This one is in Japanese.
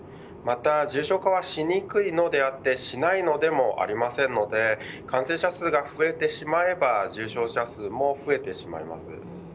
また重症化はしにくいのであってしないのでも、ありませんので感染者数が増えてしまえば重症者数も増えてしまいます。